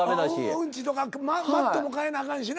うんちとかマットも替えなあかんしな。